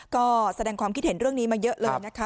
ก็แสดงความคิดเห็นเรื่องนี้มาเยอะเลยนะคะ